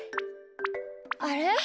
あれ？